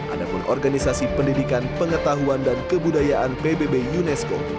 adapun organisasi pendidikan pengetahuan dan kebudayaan pbb unesco